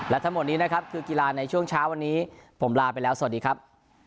และทั้งหมดนี้นะครับคือกีฬาในช่วงเช้าวันนี้ผมลาไปแล้วสวัสดีครับ